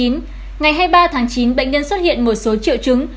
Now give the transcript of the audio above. ngày hai mươi ba tháng chín bệnh nhân xuất hiện một số triệu chứng